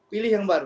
pilih yang baru